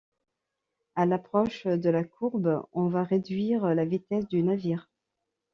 À l'approche de la courbe on va réduire la vitesse du navire.